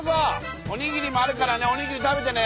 おにぎりもあるからねおにぎり食べてね。